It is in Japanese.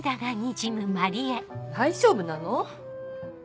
大丈夫なの？